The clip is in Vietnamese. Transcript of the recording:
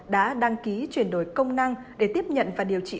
đã đăng ký chuyển đổi công năng để tiếp nhận và điều trị